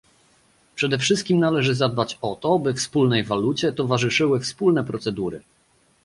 Przede wszystkim należy zadbać o to, by wspólnej walucie towarzyszyły wspólne procedury